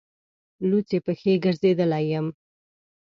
لوڅې پښې ګرځېدلی یم.